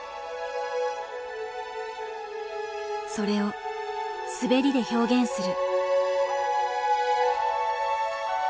それを滑りで表現する。